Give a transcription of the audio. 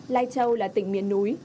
lai châu là tỉnh miền núi